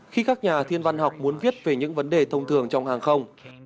khi các nhà thiên văn học muốn viết về những vấn đề thông thường trong hàng không